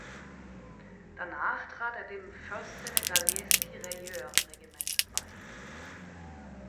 Danach trat er dem "First Senegalese Tirailleurs Regiment" bei.